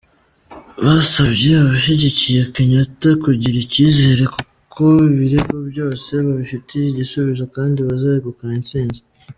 Basabye abashigikiye Kenyatta kugira icyizere kuko ibirego byose babifitiye igisubizo kandi bazegukana intsinzi.